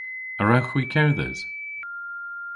A wrewgh hwi kerdhes?